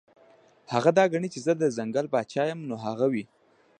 هغه دا ګڼي چې زۀ د ځنګل باچا يمه نو هغه وي -